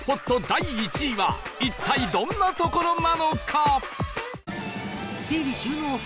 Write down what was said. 第１位は一体どんな所なのか？